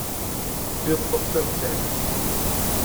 Yeṭṭef-d amkan.